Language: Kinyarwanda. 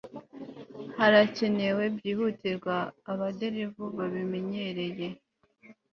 harakenewe byihutirwa abaderevu babimenyereye